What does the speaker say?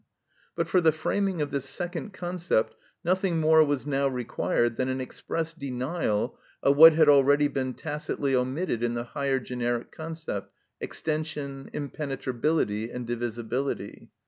But for the framing of this second concept nothing more was now required than an express denial of what had already been tacitly omitted in the higher generic concept, extension, impenetrability, and divisibility.